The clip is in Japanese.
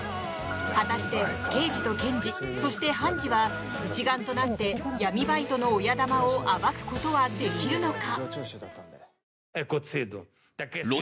果たして、刑事と検事そして判事は一丸となって闇バイトの親玉を暴くことはできるのか？